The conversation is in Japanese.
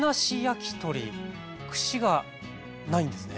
串がないんですね？